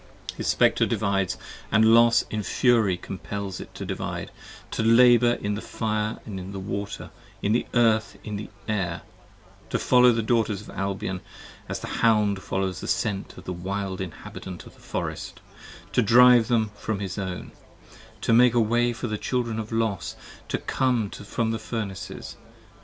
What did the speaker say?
p. 17 HIS Spectre divides & Los in fury compells it to divide: To labour in the fire, in the water, in the earth, in the air, To follow the Daughters of Albion as the hound follows the scent Of the wild inhabitant of the forest, to drive them from his own : 5 To make a way for the Children of Los to come from the Furnaces.